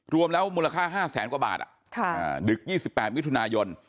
รวมแล้วมูลค่า๕แสนกว่าบาทดึก๒๘มิถุนายน